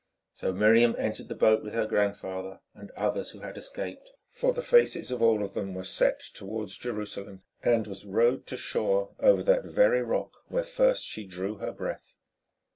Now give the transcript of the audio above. So Miriam entered the boat with her grandfather and others who had escaped, for the faces of all of them were set towards Jerusalem, and was rowed to the shore over that very rock where first she drew her breath.